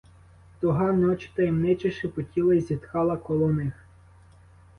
Туга ночі таємниче шепотіла й зітхала коло них.